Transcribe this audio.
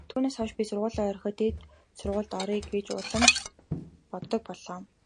Түүнээс хойш би сургуулиа орхиод дээд сургуульд оръё гэж улам ч боддог боллоо.